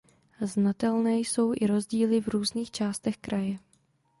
Znatelné jsou i rozdíly v různých částech kraje.